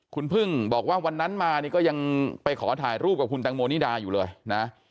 คุณพึ่งบอกว่าวันนั้นมานี่ก็ยังไปขอถ่ายรูปกับคุณแตงโมนิดาอยู่เลยนะ